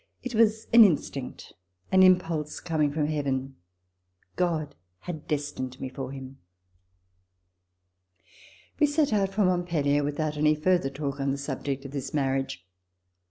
It was an instinct, an impulse coming from Heaven. God had destined me for him. We set out for Montpellier without any further talk on the subject of this marriage.